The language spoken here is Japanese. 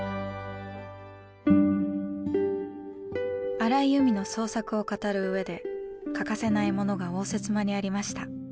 荒井由実の創作を語るうえで欠かせないものが応接間にありました。